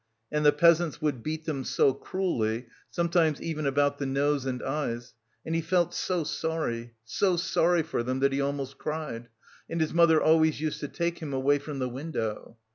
And the peasants would beat them so cruelly, sometimes even about the nose and eyes, and he felt so sorry, so sorry for them that he almost cried, and his mother always used to take him away from the window.